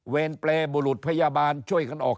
เปรย์บุรุษพยาบาลช่วยกันออก